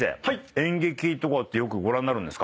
演劇とかってよくご覧になるんですか？」